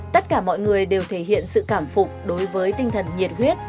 tất cả mọi người đều thể hiện sự cảm phục đối với tinh thần nhiệt huyết